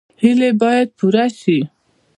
هیلې باید پوره شي